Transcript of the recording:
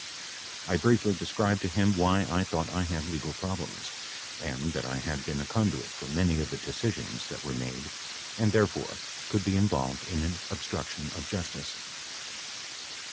"I briefly described to him why I thought I had legal problems, and that I had been a conduit for many of the decisions that were made and, therefore, could be involved in an obstruction of justice."